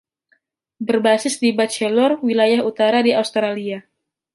Berbasis di Batchelor, Wilayah Utara di Australia.